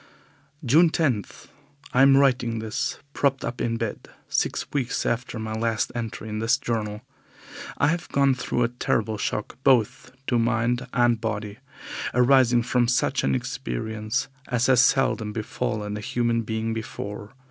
June 10. I am writing this, propped up in bed, six weeks after my last entry in this journal. I have gone through a terrible shock both to mind and body, arising from such an experience as has seldom befallen a human being before.